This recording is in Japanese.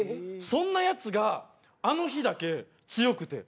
そんなやつがあの日だけ強くて。